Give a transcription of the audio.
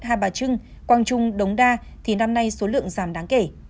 hai bà trưng quang trung đống đa thì năm nay số lượng giảm đáng kể